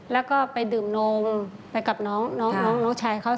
แล้วก็ไปดื่มนมไปกับน้องน้องชายเขา